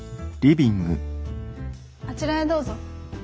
あちらへどうぞ。